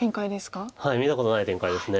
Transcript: はい見たことない展開です。